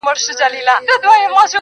راسره جانانه ستا بلا واخلم